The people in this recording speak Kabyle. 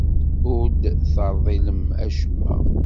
Ur d-terḍilem acemma.